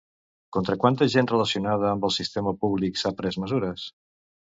Contra quanta gent relacionada amb el sistema públic s'ha pres mesures?